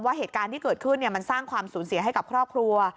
เหตุการณ์ที่เกิดขึ้นมันสร้างความสูญเสียให้กับครอบครัว